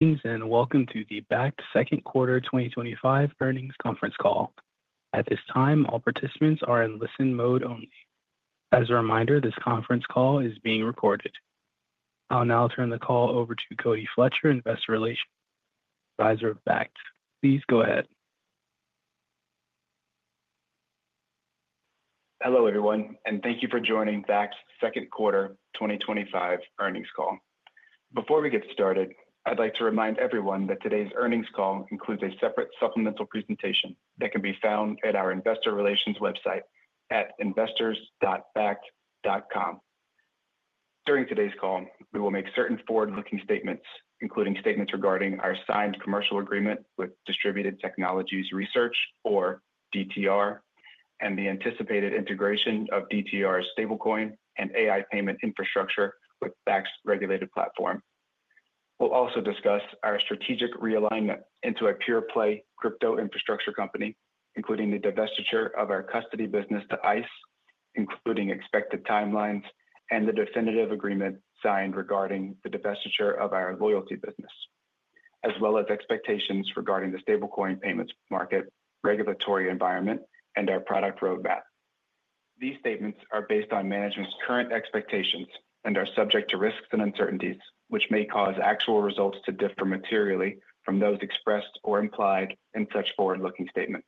Welcome to the Bakkt Second Quarter 2025 Earnings Conference Call. At this time, all participants are in listen-only mode. As a reminder, this conference call is being recorded. I'll now turn the call over to Cody Fletcher, Investor Relations Advisor of Bakkt. Please go ahead. Hello, everyone, and thank you for joining Bakkt's Second Quarter 2025 Earnings Call. Before we get started, I'd like to remind everyone that today's earnings call includes a separate supplemental presentation that can be found at our investor relations website at investors.bakkt.com. During today's call, we will make certain forward-looking statements, including statements regarding our signed commercial agreement with Distributed Technologies Research, or DTR, and the anticipated integration of DTR's stablecoin and AI payment infrastructure with Bakkt's regulated platform. We'll also discuss our strategic realignment into a pure-play crypto infrastructure company, including the divestiture of our custody business to Intercontinental Exchange, including expected timelines and the definitive agreement signed regarding the divestiture of our loyalty business, as well as expectations regarding the stablecoin payments market, regulatory environment, and our product roadmap. These statements are based on management's current expectations and are subject to risks and uncertainties, which may cause actual results to differ materially from those expressed or implied in such forward-looking statements.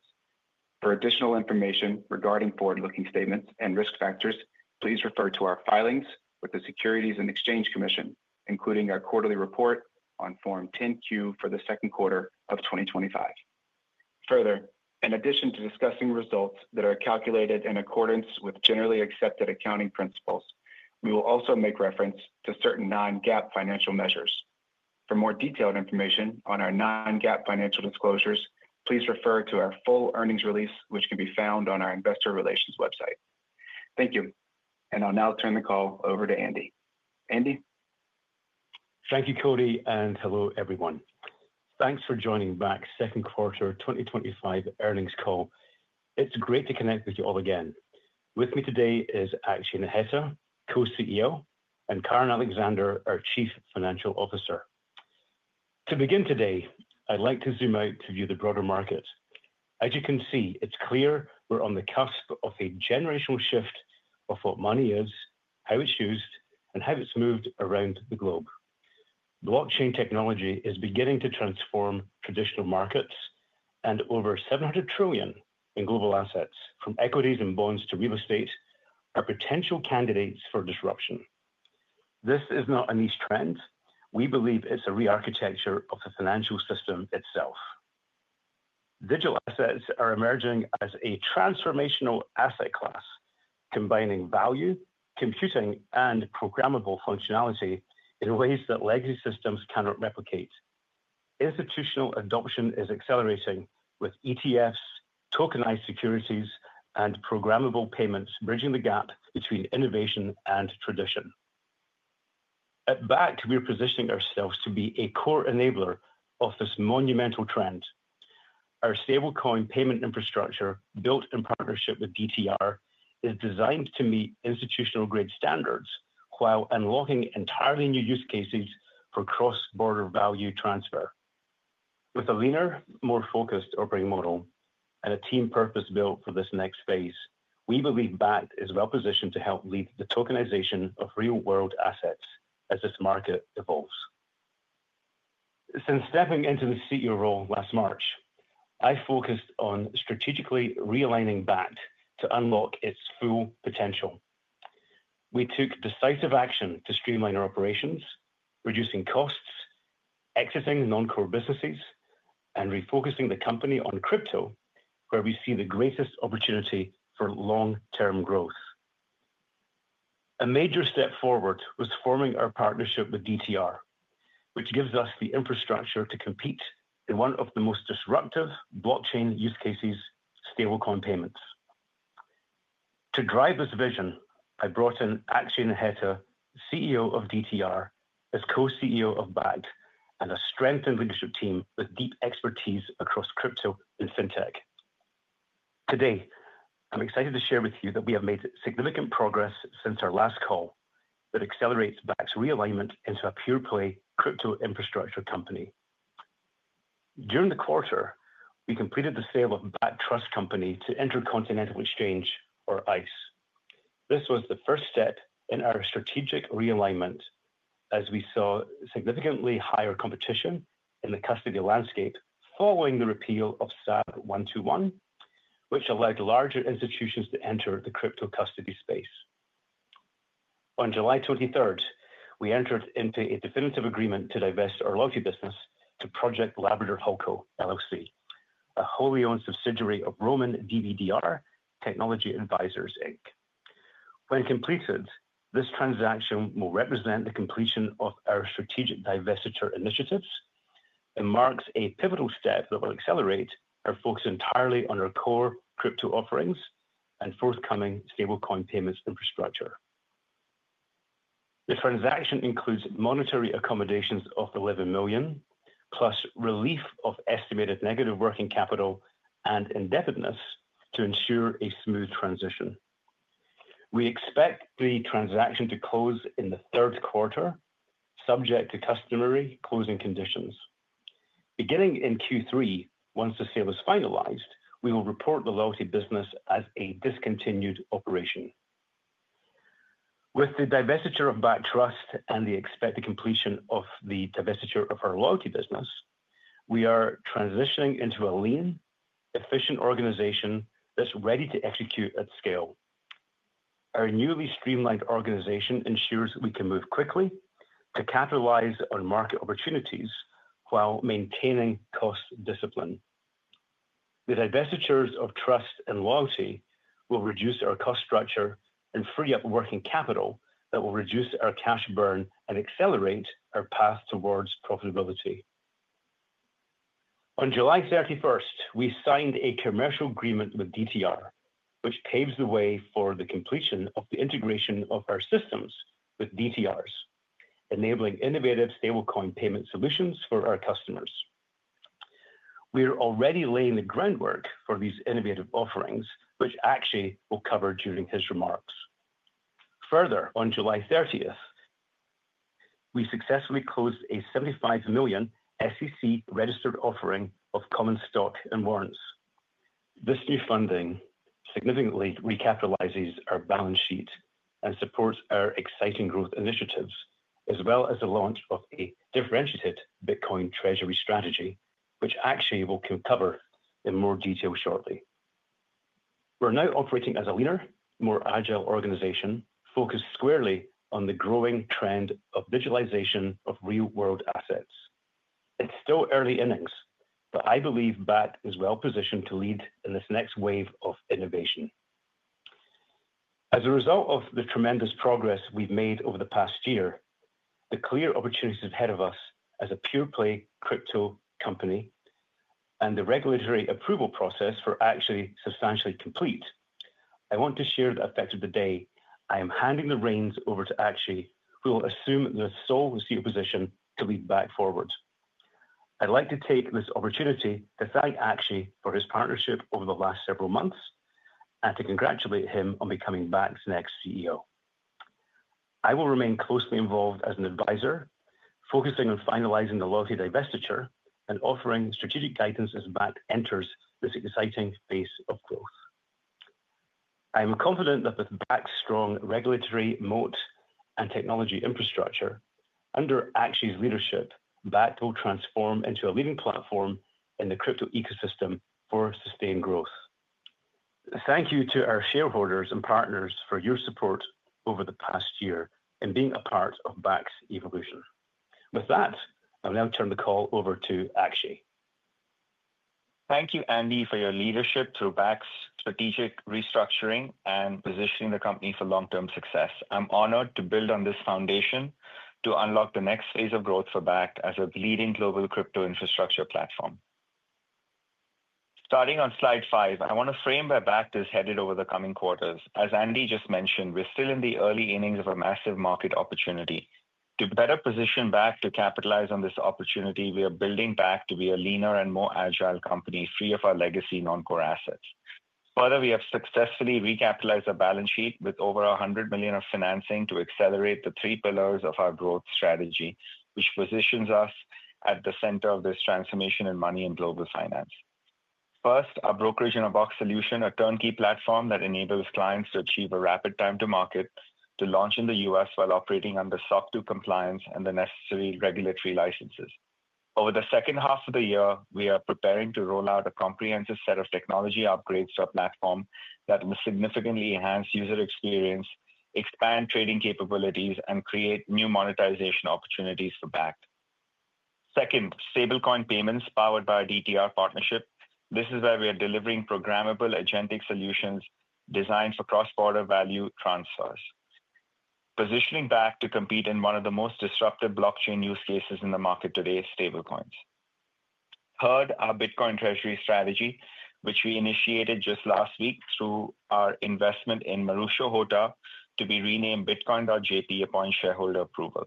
For additional information regarding forward-looking statements and risk factors, please refer to our filings with the Securities and Exchange Commission, including our quarterly report on Form 10-Q for the second quarter of 2025. Further, in addition to discussing results that are calculated in accordance with generally accepted accounting principles, we will also make reference to certain non-GAAP financial measures. For more detailed information on our non-GAAP financial disclosures, please refer to our full earnings release, which can be found on our investor relations website. Thank you, and I'll now turn the call over to Andy. Andy? Thank you, Cody, and hello, everyone. Thanks for joining Bakkt's Second Quarter 2025 Earnings Call. It's great to connect with you all again. With me today is Akshay Naheta, co-CEO, and Karen Alexander, our Chief Financial Officer. To begin today, I'd like to zoom out to view the broader market. As you can see, it's clear we're on the cusp of a generational shift of what money is, how it's used, and how it's moved around the globe. Blockchain technology is beginning to transform traditional markets, and over $700 trillion in global assets, from equities and bonds to real estate, are potential candidates for disruption. This is not a niche trend. We believe it's a re-architecture of the financial system itself. Digital assets are emerging as a transformational asset class, combining value, computing, and programmable functionality in ways that legacy systems cannot replicate. Institutional adoption is accelerating with ETFs, tokenized securities, and programmable payments bridging the gap between innovation and tradition. At Bakkt, we are positioning ourselves to be a core enabler of this monumental trend. Our stablecoin payments infrastructure, built in partnership with DTR, is designed to meet institutional-grade standards while unlocking entirely new use cases for cross-border value transfer. With a leaner, more focused operating model and a team purpose-built for this next phase, we believe Bakkt is well-positioned to help lead the tokenization of real-world assets as this market evolves. Since stepping into the CEO role last March, I focused on strategically realigning Bakkt to unlock its full potential. We took decisive action to streamline our operations, reducing costs, exiting non-core businesses, and refocusing the company on crypto, where we see the greatest opportunity for long-term growth. A major step forward was forming our partnership with DTR, which gives us the infrastructure to compete in one of the most disruptive blockchain use cases, stablecoin payments. To drive this vision, I brought in Akshay Naheta, CEO of DTR, as co-CEO of Bakkt, and a strengthened leadership team with deep expertise across crypto and fintech. Today, I'm excited to share with you that we have made significant progress since our last call that accelerates Bakkt's realignment into a pure-play crypto infrastructure company. During the quarter, we completed the sale of Bakkt Trust Company to Intercontinental Exchange, or ICE. This was the first step in our strategic realignment, as we saw significantly higher competition in the custody landscape following the repeal of SAB 121, which allowed larger institutions to enter the crypto custody space. On July 23, we entered into a definitive agreement to divest our loyalty business to Project Labrador Holdco LLC, a wholly-owned subsidiary of Roman DBDR Technology Advisors Inc. When completed, this transaction will represent the completion of our strategic divestiture initiatives and marks a pivotal step that will accelerate our focus entirely on our core crypto offerings and forthcoming stablecoin payments infrastructure. The transaction includes monetary accommodations of $11 million, plus relief of estimated negative working capital and indebtedness to ensure a smooth transition. We expect the transaction to close in the third quarter, subject to customary closing conditions. Beginning in Q3, once the sale is finalized, we will report the loyalty business as a discontinued operation. With the divestiture of Bakkt Trust and the expected completion of the divestiture of our loyalty business, we are transitioning into a lean, efficient organization that's ready to execute at scale. Our newly streamlined organization ensures that we can move quickly to capitalize on market opportunities while maintaining cost discipline. The divestitures of trust and loyalty will reduce our cost structure and free up working capital that will reduce our cash burn and accelerate our path towards profitability. On July 31, we signed a commercial agreement with DTR, which paves the way for the completion of the integration of our systems with DTR's, enabling innovative stablecoin payment solutions for our customers. We are already laying the groundwork for these innovative offerings, which Akshay will cover during his remarks. Further, on July 30, we successfully closed a $75 million SEC-registered offering of common stock and warrants. This new funding significantly recapitalizes our balance sheet and supports our exciting growth initiatives, as well as the launch of a differentiated Bitcoin treasury strategy, which Akshay will cover in more detail shortly. We're now operating as a leaner, more agile organization, focused squarely on the growing trend of digitalization of real-world assets. It's still early innings, but I believe Bakkt is well-positioned to lead in this next wave of innovation. As a result of the tremendous progress we've made over the past year, the clear opportunities ahead of us as a pure-play crypto company, and the regulatory approval process for Akshay substantially complete, I want to share the effect of the day. I am handing the reins over to Akshay, who will assume the sole and sealed position to lead Bakkt forward. I'd like to take this opportunity to thank Akshay for his partnership over the last several months and to congratulate him on becoming Bakkt's next CEO. I will remain closely involved as an advisor, focusing on finalizing the loyalty divestiture and offering strategic guidance as Bakkt enters this exciting phase of growth. I am confident that with Bakkt's strong regulatory moat and technology infrastructure, under Akshay's leadership, Bakkt will transform into a leading platform in the crypto ecosystem for sustained growth. Thank you to our shareholders and partners for your support over the past year in being a part of Bakkt's evolution. With that, I'll now turn the call over to Akshay. Thank you, Andy, for your leadership through Bakkt's strategic restructuring and positioning the company for long-term success. I'm honored to build on this foundation to unlock the next phase of growth for Bakkt as a leading global crypto infrastructure platform. Starting on slide five, I want to frame where Bakkt is headed over the coming quarters. As Andy just mentioned, we're still in the early innings of a massive market opportunity. To better position Bakkt to capitalize on this opportunity, we are building Bakkt to be a leaner and more agile company, free of our legacy non-core assets. Further, we have successfully recapitalized our balance sheet with over $100 million of financing to accelerate the three pillars of our growth strategy, which positions us at the center of this transformation in money and global finance. First, a brokerage-in-a-box solution, a turnkey platform that enables clients to achieve a rapid time-to-market, to launch in the U.S. while operating under SOC 2 compliance and the necessary regulatory licenses. Over the second half of the year, we are preparing to roll out a comprehensive set of technology upgrades to our platform that will significantly enhance user experience, expand trading capabilities, and create new monetization opportunities for Bakkt. Second, stablecoin payments powered by our DTR partnership. This is where we are delivering programmable agentic solutions designed for cross-border value transfers, positioning Bakkt to compete in one of the most disruptive blockchain use cases in the market today: stablecoins. Third, our Bitcoin treasury strategy, which we initiated just last week through our investment in Marusho Hotta to be renamed Bitcoin.jp upon shareholder approval.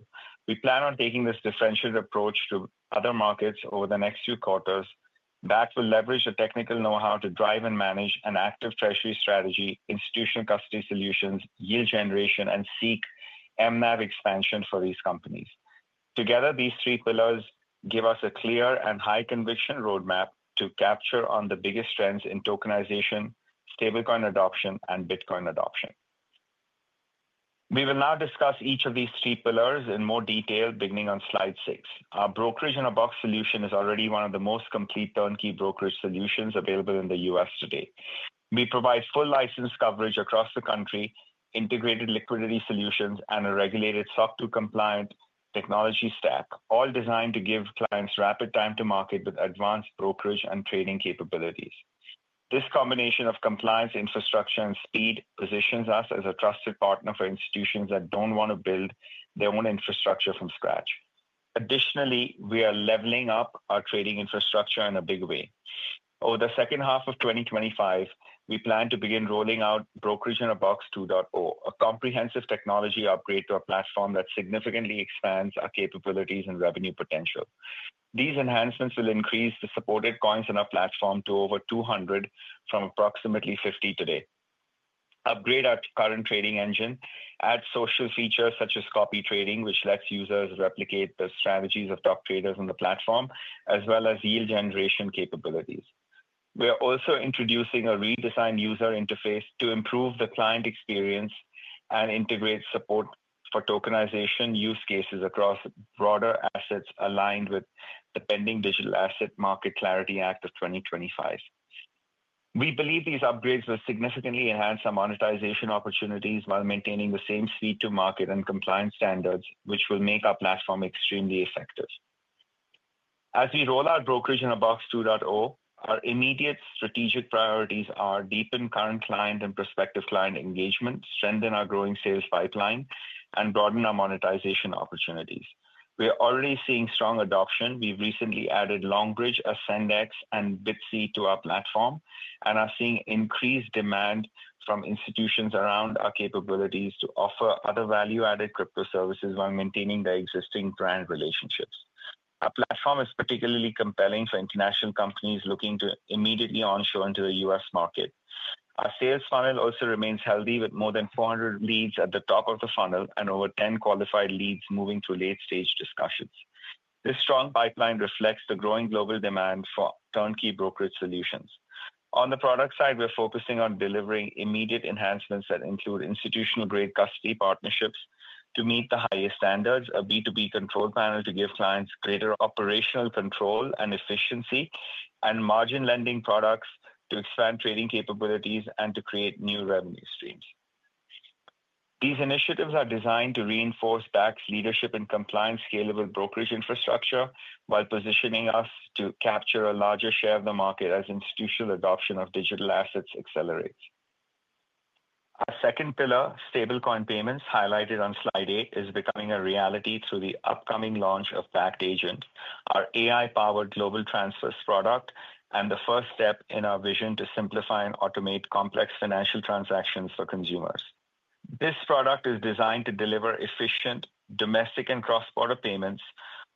We plan on taking this differentiated approach to other markets over the next few quarters. Bakkt will leverage the technical know-how to drive and manage an active treasury strategy, institutional custody solutions, yield generation, and seek MNAV expansion for these companies. Together, these three pillars give us a clear and high-conviction roadmap to capture on the biggest trends in tokenization, stablecoin adoption, and Bitcoin adoption. We will now discuss each of these three pillars in more detail beginning on slide six. Our brokerage-in-a-box solution is already one of the most complete turnkey brokerage solutions available in the U.S. today. We provide full license coverage across the country, integrated liquidity solutions, and a regulated SOC 2 compliant technology stack, all designed to give clients rapid time-to-market with advanced brokerage and trading capabilities. This combination of compliance, infrastructure, and speed positions us as a trusted partner for institutions that don't want to build their own infrastructure from scratch. Additionally, we are leveling up our trading infrastructure in a big way. Over the second half of 2025, we plan to begin rolling out Brokerage-in-a-Box 2.0, a comprehensive technology upgrade to a platform that significantly expands our capabilities and revenue potential. These enhancements will increase the supported coins in our platform to over 200 from approximately 50 today. Upgrading our current trading engine adds social features such as copy trading, which lets users replicate the strategies of top traders on the platform, as well as yield generation capabilities. We are also introducing a redesigned user interface to improve the client experience and integrate support for tokenization use cases across broader assets aligned with the Pending Digital Asset Market Clarity Act of 2025. We believe these upgrades will significantly enhance our monetization opportunities while maintaining the same speed-to-market and compliance standards, which will make our platform extremely effective. As we roll out Brokerage-in-a-Box 2.0, our immediate strategic priorities are to deepen current client and prospective client engagement, strengthen our growing sales pipeline, and broaden our monetization opportunities. We are already seeing strong adoption. We've recently added Longbridge, AscendEX, and BitSea to our platform and are seeing increased demand from institutions around our capabilities to offer other value-added crypto services while maintaining their existing brand relationships. Our platform is particularly compelling for international companies looking to immediately onshore into the U.S. market. Our sales funnel also remains healthy, with more than 400 leads at the top of the funnel and over 10 qualified leads moving through late-stage discussions. This strong pipeline reflects the growing global demand for turnkey brokerage solutions. On the product side, we're focusing on delivering immediate enhancements that include institutional-grade custody partnerships to meet the highest standards, a B2B control panel to give clients greater operational control and efficiency, and margin lending products to expand trading capabilities and to create new revenue streams. These initiatives are designed to reinforce Bakkt's leadership in compliance, scalable brokerage infrastructure, while positioning us to capture a larger share of the market as institutional adoption of digital assets accelerates. The second pillar, stablecoin payments, highlighted on slide eight, is becoming a reality through the upcoming launch of Bakkt Agent, our AI-powered global transfers product and the first step in our vision to simplify and automate complex financial transactions for consumers. This product is designed to deliver efficient domestic and cross-border payments,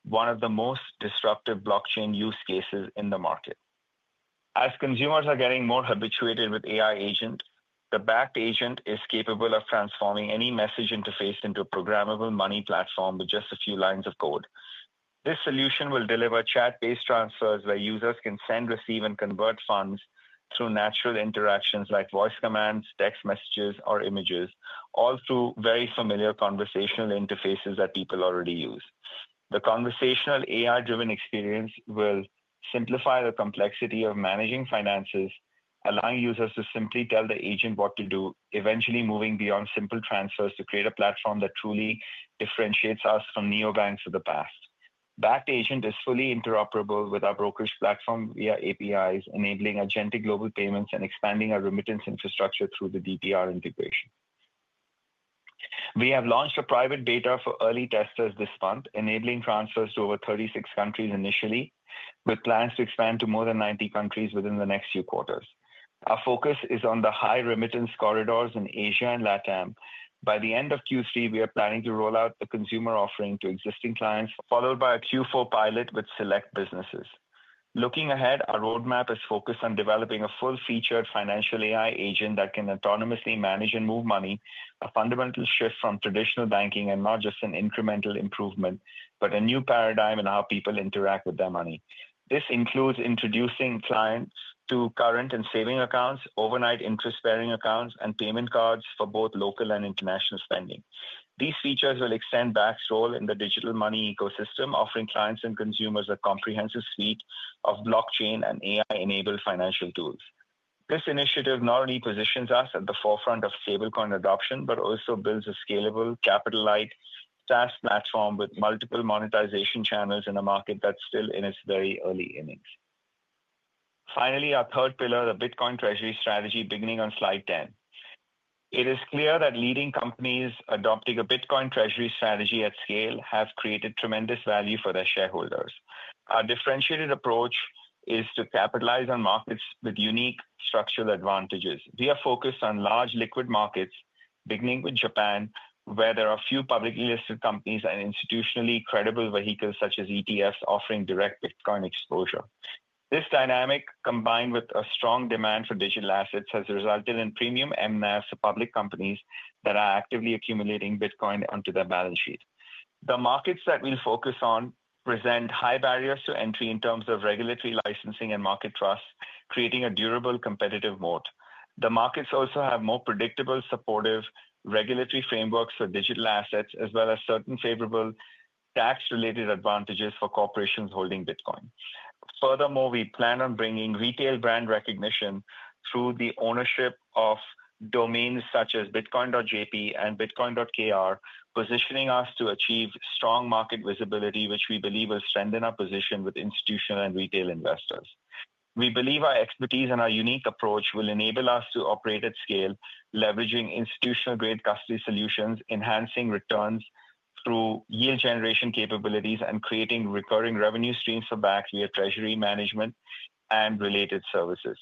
one of the most disruptive blockchain use cases in the market. As consumers are getting more habituated with AI Agent, the Bakkt Agent is capable of transforming any message interface into a programmable money platform with just a few lines of code. This solution will deliver chat-based transfers where users can send, receive, and convert funds through natural interactions like voice commands, text messages, or images, all through very familiar conversational interfaces that people already use. The conversational AI-driven experience will simplify the complexity of managing finances, allowing users to simply tell the agent what to do, eventually moving beyond simple transfers to create a platform that truly differentiates us from neobanks of the past. Bakkt Agent is fully interoperable with our brokerage platform via APIs, enabling agentic global payments and expanding our remittance infrastructure through the DTR integration. We have launched a private beta for early testers this month, enabling transfers to over 36 countries initially, with plans to expand to more than 90 countries within the next few quarters. Our focus is on the high remittance corridors in Asia and LATAM. By the end of Q3, we are planning to roll out the consumer offering to existing clients, followed by a Q4 pilot with select businesses. Looking ahead, our roadmap is focused on developing a full-featured financial AI agent that can autonomously manage and move money, a fundamental shift from traditional banking and not just an incremental improvement, but a new paradigm in how people interact with their money. This includes introducing clients to current and saving accounts, overnight interest-bearing accounts, and payment cards for both local and international spending. These features will extend Bakkt's role in the digital money ecosystem, offering clients and consumers a comprehensive suite of blockchain and AI-enabled financial tools. This initiative not only positions us at the forefront of stablecoin adoption, but also builds a scalable, capital-light SaaS platform with multiple monetization channels in a market that's still in its very early innings. Finally, our third pillar, the Bitcoin treasury strategy, beginning on slide 10. It is clear that leading companies adopting a Bitcoin treasury strategy at scale have created tremendous value for their shareholders. Our differentiated approach is to capitalize on markets with unique structural advantages. We are focused on large liquid markets, beginning with Japan, where there are few publicly listed companies and institutionally credible vehicles such as ETFs offering direct Bitcoin exposure. This dynamic, combined with a strong demand for digital assets, has resulted in premium MNAVs for public companies that are actively accumulating Bitcoin onto their balance sheet. The markets that we'll focus on present high barriers to entry in terms of regulatory licensing and market trust, creating a durable competitive moat. The markets also have more predictable, supportive regulatory frameworks for digital assets, as well as certain favorable tax-related advantages for corporations holding Bitcoin. Furthermore, we plan on bringing retail brand recognition through the ownership of domains such as Bitcoin.jp and Bitcoin.kr, positioning us to achieve strong market visibility, which we believe will strengthen our position with institutional and retail investors. We believe our expertise and our unique approach will enable us to operate at scale, leveraging institutional-grade custody solutions, enhancing returns through yield generation capabilities, and creating recurring revenue streams for Bakkt via treasury management and related services.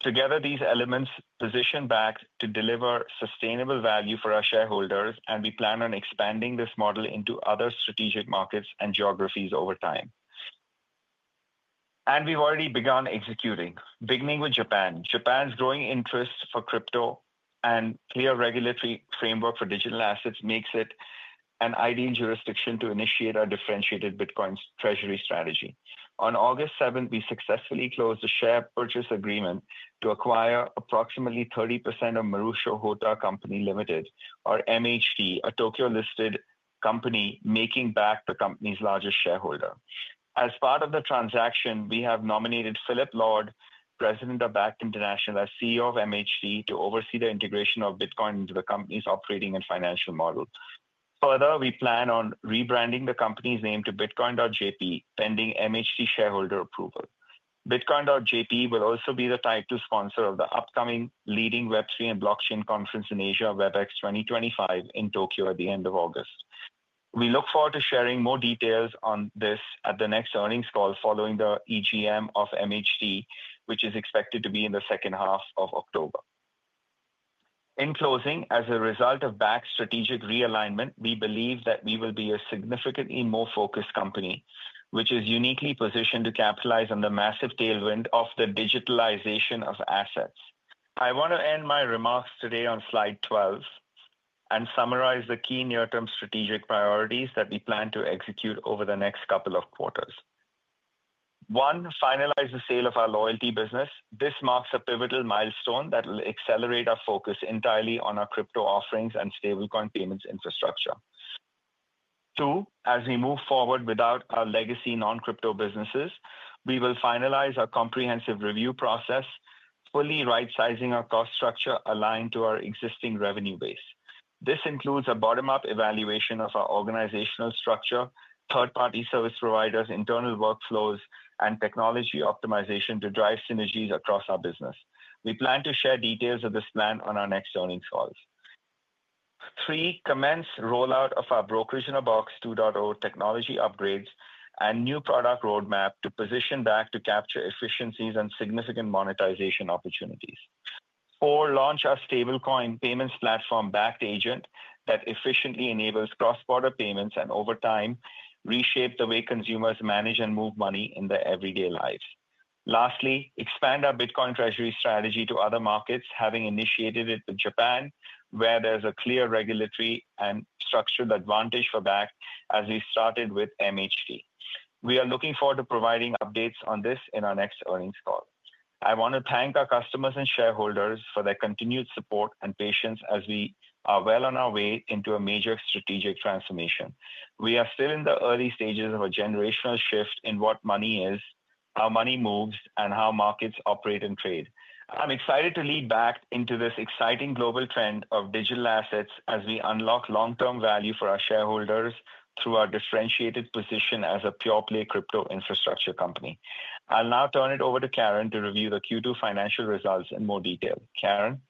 Together, these elements position Bakkt to deliver sustainable value for our shareholders, and we plan on expanding this model into other strategic markets and geographies over time. We've already begun executing, beginning with Japan. Japan's growing interest for crypto and clear regulatory framework for digital assets makes it an ideal jurisdiction to initiate our differentiated Bitcoin treasury strategy. On August 7, we successfully closed the share purchase agreement to acquire approximately 30% of Marusho Hotta Company Limited, or MHC, a Tokyo-listed company, making Bakkt the company's largest shareholder. As part of the transaction, we have nominated Philip Lord, President of Bakkt International, as CEO of MHC to oversee the integration of Bitcoin into the company's operating and financial model. Further, we plan on rebranding the company's name to Bitcoin.jp, pending MHC shareholder approval. Bitcoin.jp will also be the title sponsor of the upcoming leading Web3 and blockchain conference in Asia, WebEx 2025, in Tokyo at the end of August. We look forward to sharing more details on this at the next earnings call following the EGM of MHC, which is expected to be in the second half of October. In closing, as a result of Bakkt's strategic realignment, we believe that we will be a significantly more focused company, which is uniquely positioned to capitalize on the massive tailwind of the digitalization of assets. I want to end my remarks today on slide 12 and summarize the key near-term strategic priorities that we plan to execute over the next couple of quarters. One, finalize the sale of our loyalty business. This marks a pivotal milestone that will accelerate our focus entirely on our crypto offerings and stablecoin payments infrastructure. Two, as we move forward without our legacy non-crypto businesses, we will finalize our comprehensive review process, fully right-sizing our cost structure aligned to our existing revenue base. This includes a bottom-up evaluation of our organizational structure, third-party service providers, internal workflows, and technology optimization to drive synergies across our business. We plan to share details of this plan on our next earnings call. Three, commence rollout of our Brokerage-in-a-Box 2.0 technology upgrades and new product roadmap to position Bakkt to capture efficiencies and significant monetization opportunities. Four, launch our stablecoin payments platform, Bakkt Agent, that efficiently enables cross-border payments and over time reshapes the way consumers manage and move money in their everyday lives. Lastly, expand our Bitcoin treasury strategy to other markets, having initiated it with Japan, where there's a clear regulatory and structured advantage for Bakkt as we started with MHC. We are looking forward to providing updates on this in our next earnings call. I want to thank our customers and shareholders for their continued support and patience as we are well on our way into a major strategic transformation. We are still in the early stages of a generational shift in what money is, how money moves, and how markets operate and trade. I'm excited to lead Bakkt into this exciting global trend of digital assets as we unlock long-term value for our shareholders through our differentiated position as a pure-play crypto infrastructure company. I'll now turn it over to Karen to review the Q2 financial results in more detail. Karen.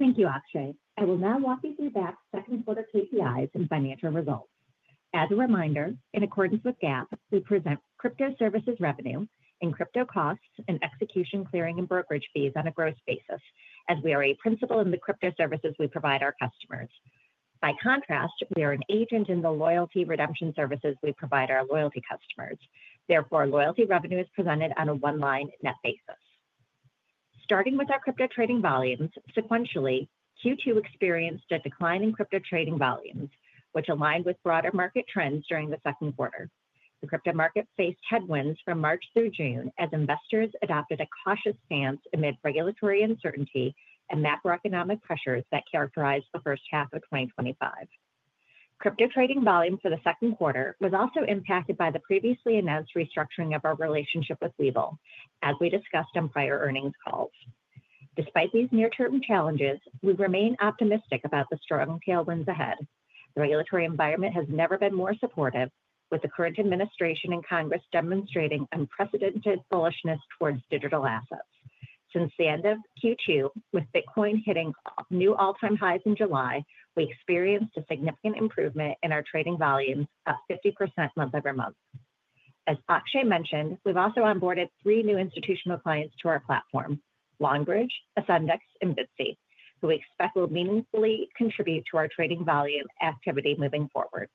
Thank you, Akshay. I will now walk you through Bakkt's second quarter KPIs and financial results. As a reminder, in accordance with GAAP, we present crypto services revenue and crypto costs and execution clearing and brokerage fees on a gross basis, as we are a principal in the crypto services we provide our customers. By contrast, we are an agent in the loyalty redemption services we provide our loyalty customers. Therefore, loyalty revenue is presented on a one-line net basis. Starting with our crypto trading volumes, sequentially, Q2 experienced a decline in crypto trading volumes, which aligned with broader market trends during the second quarter. The crypto market faced headwinds from March through June as investors adopted a cautious stance amid regulatory uncertainty and macroeconomic pressures that characterized the first half of 2025. Crypto trading volume for the second quarter was also impacted by the previously announced restructuring of our relationship with Webull, as we discussed on prior earnings calls. Despite these near-term challenges, we remain optimistic about the strong tailwinds ahead. The regulatory environment has never been more supportive, with the current administration and Congress demonstrating unprecedented bullishness towards digital assets. Since the end of Q2, with Bitcoin hitting new all-time highs in July, we experienced a significant improvement in our trading volumes of 50% month over month. As Akshay mentioned, we've also onboarded three new institutional clients to our platform: LongBridge, Ascendex, and BitSea, who we expect will meaningfully contribute to our trading volume activity moving forward.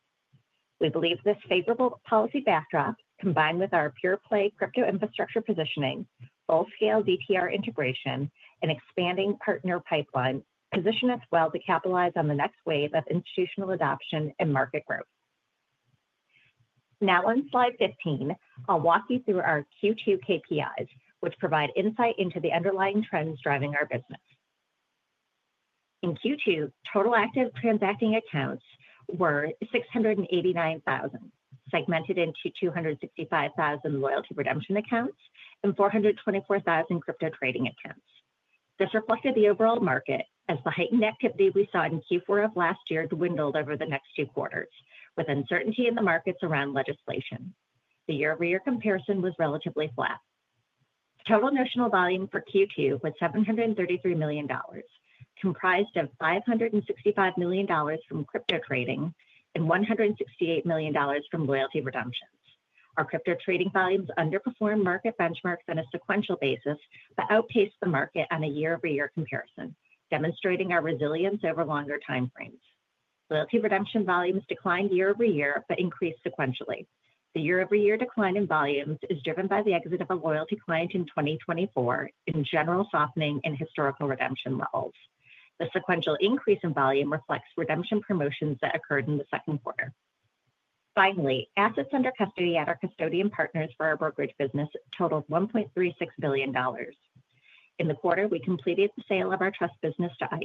We believe this favorable policy backdrop, combined with our pure-play crypto infrastructure positioning, full-scale DTR integration, and expanding partner pipeline, positions us well to capitalize on the next wave of institutional adoption and market growth. Now, on slide 15, I'll walk you through our Q2 KPIs, which provide insight into the underlying trends driving our business. In Q2, total active transacting accounts were 689,000, segmented into 265,000 loyalty redemption accounts and 424,000 crypto trading accounts. This reflected the overall market, as the heightened activity we saw in Q4 of last year dwindled over the next two quarters, with uncertainty in the markets around legislation. The year-over-year comparison was relatively flat. Total notional volume for Q2 was $733 million, comprised of $565 million from crypto trading and $168 million from loyalty redemptions. Our crypto trading volumes underperformed market benchmarks on a sequential basis, but outpaced the market on a year-over-year comparison, demonstrating our resilience over longer timeframes. Loyalty redemption volumes declined year-over-year, but increased sequentially. The year-over-year decline in volumes is driven by the exit of a loyalty client in 2024, in general softening in historical redemption levels. The sequential increase in volume reflects redemption promotions that occurred in the second quarter. Finally, assets under custody at our custodian partners for our brokerage business totaled $1.36 billion. In the quarter, we completed the sale of our trust business to ICE.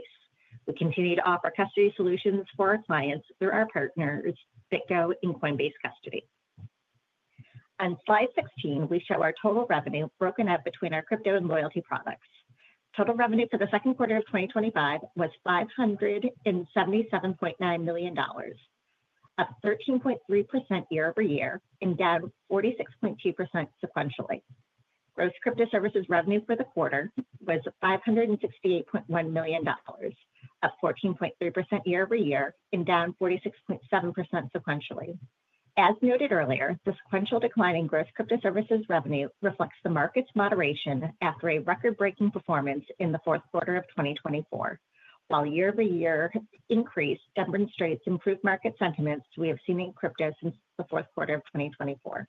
We continue to offer custody solutions for our clients through our partners BitGo and Coinbase Custody. On slide 16, we show our total revenue broken up between our crypto and loyalty products. Total revenue for the second quarter of 2025 was $577.9 million, up 13.3% year-over-year, and down 46.2% sequentially. Gross crypto services revenue for the quarter was $568.1 million, up 14.3% year-over-year, and down 46.7% sequentially. As noted earlier, the sequential decline in gross crypto services revenue reflects the market's moderation after a record-breaking performance in the fourth quarter of 2024. While year-over-year increase demonstrates improved market sentiments we have seen in crypto since the fourth quarter of 2024.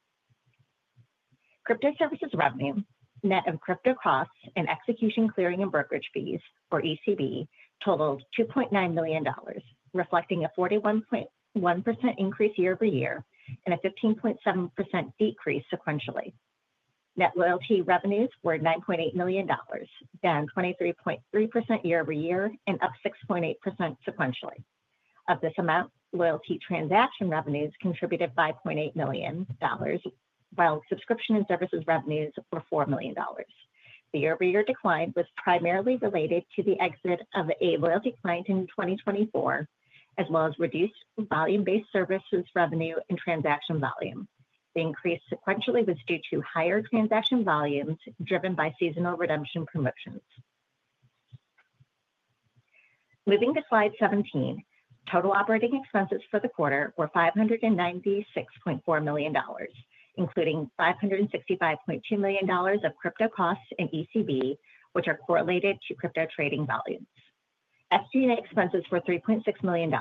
Crypto services revenue, net of crypto costs and execution clearing and brokerage fees, or ECB, totaled $2.9 million, reflecting a 41.1% increase year-over-year and a 15.7% decrease sequentially. Net loyalty revenues were $9.8 million, down 23.3% year-over-year and up 6.8% sequentially. Of this amount, loyalty transaction revenues contributed $5.8 million, while subscription and services revenues were $4 million. The year-over-year decline was primarily related to the exit of a loyalty client in 2024, as well as reduced volume-based services revenue and transaction volume. The increase sequentially was due to higher transaction volumes driven by seasonal redemption promotions. Moving to slide 17, total operating expenses for the quarter were $596.4 million, including $565.2 million of crypto costs and ECB, which are correlated to crypto trading volumes. FT&A expenses were $3.6 million,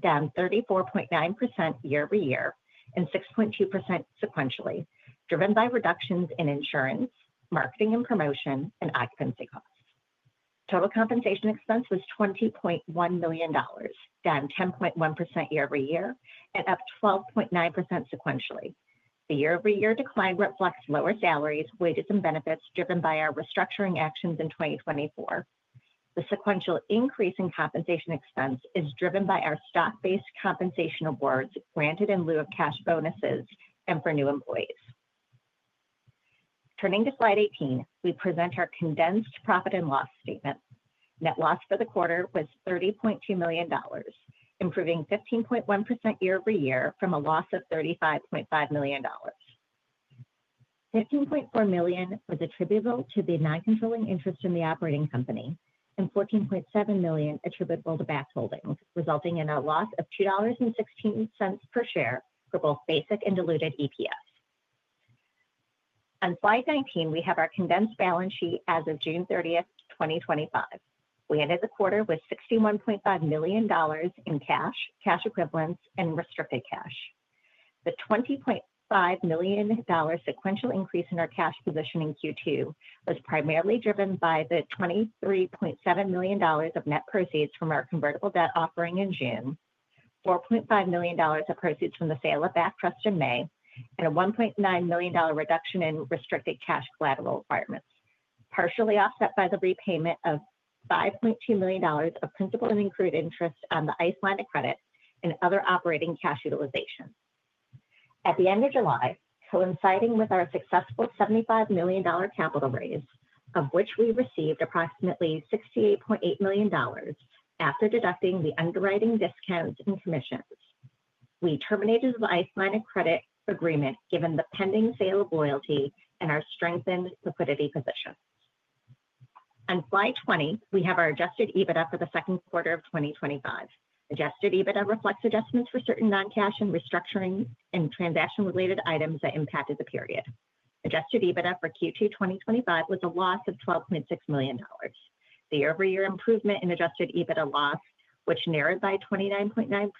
down 34.9% year-over-year and 6.2% sequentially, driven by reductions in insurance, marketing and promotion, and occupancy costs. Total compensation expense was $20.1 million, down 10.1% year-over-year and up 12.9% sequentially. The year-over-year decline reflects lower salaries, wages, and benefits driven by our restructuring actions in 2024. The sequential increase in compensation expense is driven by our stock-based compensation awards granted in lieu of cash bonuses and for new employees. Turning to slide 18, we present our condensed profit and loss statement. Net loss for the quarter was $30.2 million, improving 15.1% year-over-year from a loss of $35.5 million. $15.4 million was attributable to the non-controlling interest in the operating company, and $14.7 million attributable to Bakkt Holdings Inc., resulting in a loss of $2.16 per share for both basic and diluted EPS. On slide 19, we have our condensed balance sheet as of June 30, 2025. We ended the quarter with $61.5 million in cash, cash equivalents, and risk-free cash. The $20.5 million sequential increase in our cash position in Q2 was primarily driven by the $23.7 million of net proceeds from our convertible debt offering in June, $4.5 million of proceeds from the sale of Bakkt Trust Company in May, and a $1.9 million reduction in restricted cash collateral requirements, partially offset by the repayment of $5.2 million of principal and accrued interest on the ICE line of credit and other operating cash utilization. At the end of July, coinciding with our successful $75 million capital raise, of which we received approximately $68.8 million after deducting the underwriting discounts and commissions, we terminated the ICE line of credit agreement given the pending sale of loyalty and our strengthened liquidity position. On slide 20, we have our adjusted EBITDA for the second quarter of 2025. Adjusted EBITDA reflects adjustments for certain non-cash and restructuring and transaction-related items that impacted the period. Adjusted EBITDA for Q2 2025 was a loss of $12.6 million. The year-over-year improvement in adjusted EBITDA loss, which narrowed by 29.9%,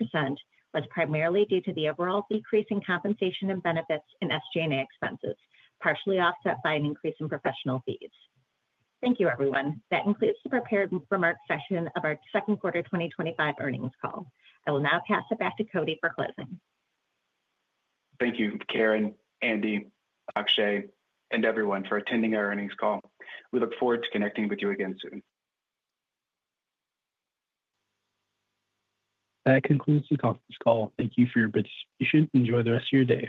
was primarily due to the overall decrease in compensation and benefits and SG&A expenses, partially offset by an increase in professional fees. Thank you, everyone. That concludes the prepared remarks session of our second quarter 2025 earnings call. I will now pass it back to Cody for closing. Thank you, Karen, Andy, Akshay, and everyone for attending our earnings call. We look forward to connecting with you again soon. That concludes the conference call. Thank you for your participation. Enjoy the rest of your day.